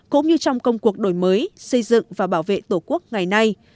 cũng như trong công cuộc đổi mới xây dựng và bảo vệ tổ quốc ngày nay